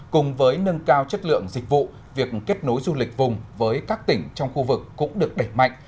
cùng với nâng cao chất lượng dịch vụ việc kết nối du lịch vùng với các tỉnh trong khu vực cũng được đẩy mạnh